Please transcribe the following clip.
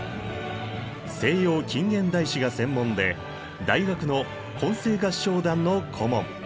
西洋近現代史が専門で大学の混声合唱団の顧問。